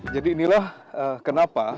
jadi inilah kenapa